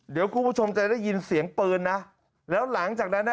เดี๋ยวคุณผู้ชมจะได้ยินเสียงปืนนะแล้วหลังจากนั้นน่ะ